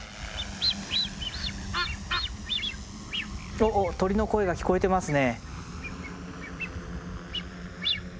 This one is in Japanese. おおっ鳥の声が聞こえてますね。